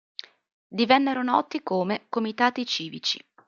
Divennero noti come "Comitati Civici".